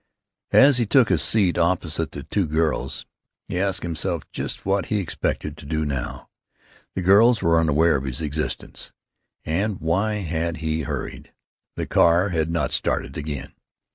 As he took a seat opposite the two girls he asked himself just what he expected to do now. The girls were unaware of his existence. And why had he hurried? The car had not started again.